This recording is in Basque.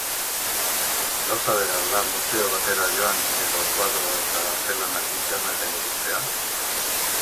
Gauza bera al da museo batera joan edo koadro eta artelanak interneten ikustea?